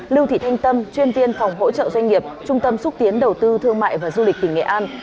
lưu thị thanh tâm chuyên viên phòng hỗ trợ doanh nghiệp trung tâm xúc tiến đầu tư thương mại và du lịch tỉnh nghệ an